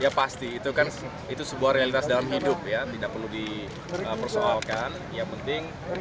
ya pasti itu kan itu sebuah realitas dalam hidup ya tidak perlu dipersoalkan yang penting